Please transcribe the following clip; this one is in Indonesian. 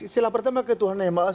silah pertama ke tuhan ya